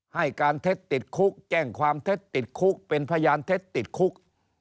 ให้การเท็จติดคุกแจ้งความเท็จติดคุกเป็นพยานเท็จติดคุก